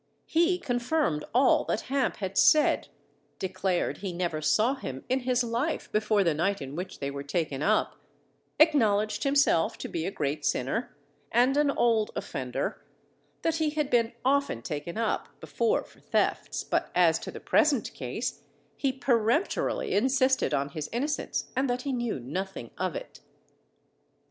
He confirmed all that Hamp had said, declared he never saw him in his life before the night in which they were taken up, acknowledged himself to be a great sinner, and an old offender, that he had been often taken up before for thefts; but as to the present case, he peremptorily insisted on his innocence, and that he knew nothing of it.